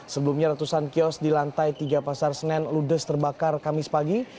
sebelumnya ratusan kios di lantai tiga pasar senen ludes terbakar kamis pagi